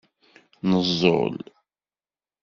Neẓẓul.